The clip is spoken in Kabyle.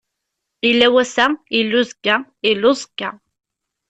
Illa wass-a, illa uzekka, illa uẓekka.